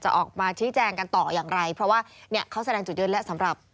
ออกมาชี้แจงกันต่ออย่างไรเพราะว่าเนี่ยเขาแสดงจุดยืนแล้วสำหรับ